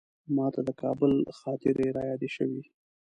ماته د کابل خاطرې رایادې شوې.